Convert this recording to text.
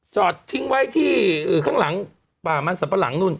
จอดทิ้งไว้ที่ข้างหลังป่ามันสัมปะหลังนู่น